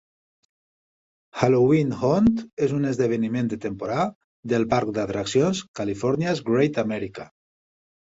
Halloween Haunt és un esdeveniment de temporada del parc d'atraccions California's Great America.